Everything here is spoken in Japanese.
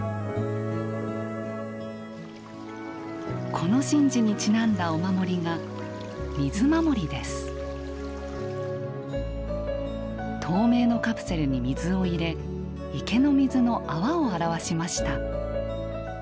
この神事にちなんだお守りが透明のカプセルに水を入れ池の水の泡を表しました。